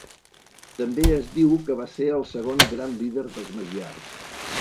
També es diu que va ser el segon gran líder dels magiars.